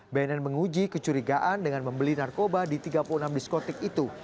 bnn menguji kecurigaan dengan membeli narkoba di tiga puluh enam diskotik itu